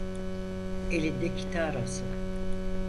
Elinde kitarası.